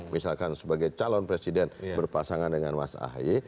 misalkan sebagai calon presiden berpasangan dengan mas ahy